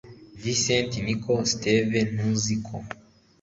vincent Niko steve ntuzi ko